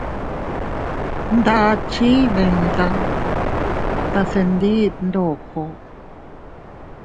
Ndakchi iiyita tase ndiit ndoko.